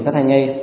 cái thai nhây